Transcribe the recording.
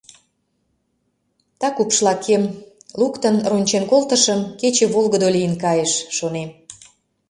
Так упшлакем, луктын, рончен колтышым — кече волгыдо лийын кайыш, шонем.